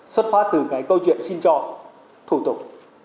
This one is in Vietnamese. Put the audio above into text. xuất phát từ cái câu chuyện xin cho thủ tục